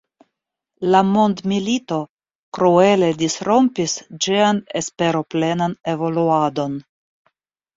La mondmilito kruele disrompis ĝian esperoplenan evoluadon.